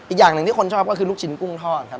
อีกอย่างหนึ่งที่คนชอบก็คือลูกชิ้นกุ้งทอดครับ